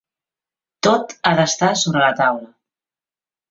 Tot ha d'estar sobre la taula.